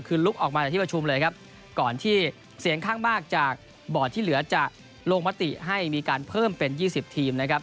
คือลุกออกมาจากที่ประชุมเลยครับก่อนที่เสียงข้างมากจากบอร์ดที่เหลือจะลงมติให้มีการเพิ่มเป็น๒๐ทีมนะครับ